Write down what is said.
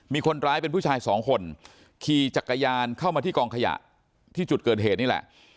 มีคนร้ายเป็นผู้ชายสองคนขี่จักรยานเข้ามาที่กองขยะที่จุดเกิดเหตุนี่แหละ